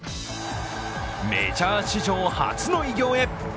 メジャー史上初の偉業へ。